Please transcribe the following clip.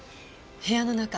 部屋の中。